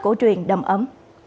của truyền đầm ấm